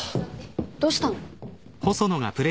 どうしたの？